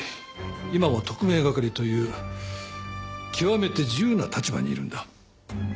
今は特命係という極めて自由な立場にいるんだ。